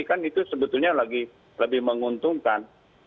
kan itu sebetulnya lagi lebih menguntungkan